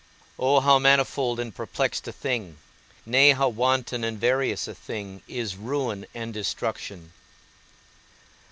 O how manifold and perplexed a thing, nay, how wanton and various a thing, is ruin and destruction!